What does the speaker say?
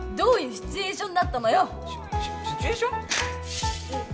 シシチュエーション？